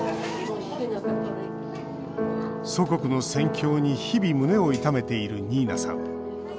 祖国の戦況に日々、胸を痛めているニーナさん。